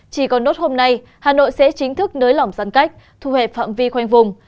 chỉ có nốt hôm nay hà nội sẽ chính thức nới lỏng giãn cách thu hệ phạm vi khoanh vùng